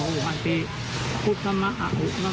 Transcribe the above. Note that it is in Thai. สวัสดีครับสวัสดีครับ